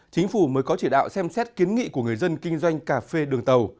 chính phủ mới có chỉ đạo xem xét kiến nghị của người dân kinh doanh cà phê đường tàu